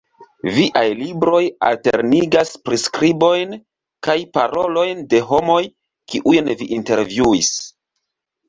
Viaj libroj alternigas priskribojn kaj parolojn de homoj kiujn vi intervjuis.